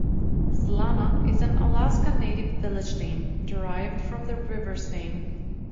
Slana is an Alaska Native village name, derived from the river's name.